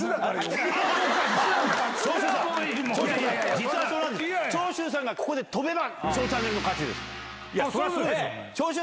実は長州さんがここで跳べば。